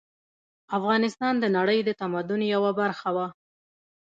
افغانستان د نړۍ د تمدن یوه برخه وه